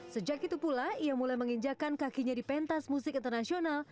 sejak itu pula ia mulai menginjakan kakinya di pentas musik internasional